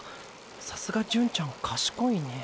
さすが純ちゃんかしこいねー。